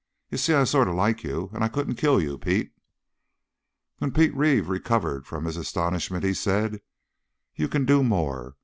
You see, I sort of like you, and I couldn't kill you, Pete." When Pete Reeve recovered from his astonishment he said, "You can do more.